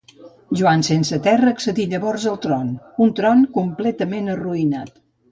Joan sense Terra accedí llavors al tron, un tron completament arruïnat.